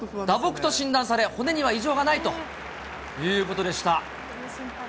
打撲と診断され、骨には異常がないということでした。